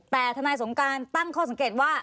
แต่ทนายสงการตั้งข้อสังเกตว่า